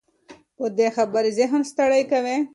بدې خبرې ذهن ستړي کوي